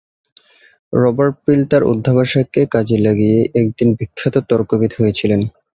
Robert Peel তার অধ্যবসায়কে কাজে লাগিয়েই একদিন বিখ্যাত তর্কবিদ হয়েছিলেন।